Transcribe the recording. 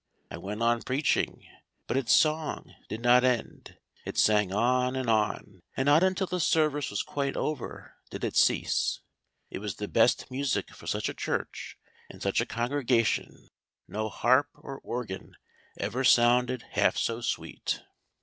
I went on preaching, but its song did not end, it sang on and on, and not until the service was quite over did it cease. It was the best music for such a church and such a congregation, no harp or organ ever sounded half so sweet."